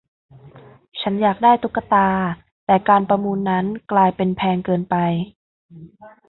ฉันอยากได้ตุ๊กตา แต่การประมูลนั้นกลายเป็นแพงเกินไป